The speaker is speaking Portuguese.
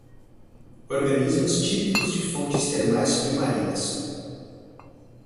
Organismos típicos de fontes termais submarinas